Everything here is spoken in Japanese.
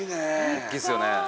大きいですよね。